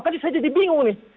tadi saya jadi bingung nih